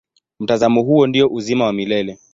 Mtazamo huo ndio uzima wa milele.